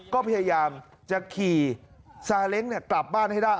ก็พยายามจะขี่ซาเล้งกลับบ้านให้ได้